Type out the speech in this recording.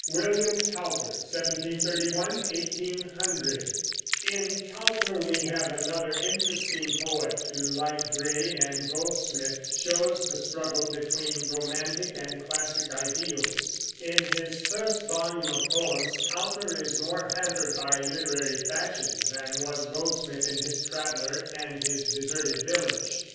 WILLIAM COWPER (1731 1800) In Cowper we have another interesting poet, who, like Gray and Goldsmith, shows the struggle between romantic and classic ideals. In his first volume of poems, Cowper is more hampered by literary fashions than was Goldsmith in his Traveller and his Deserted Village.